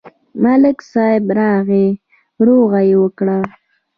ملک صاحب راغی، روغه یې وکړه.